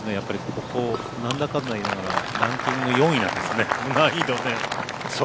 ここをなんだかんだ言いながらランキング４位なんですね難易度。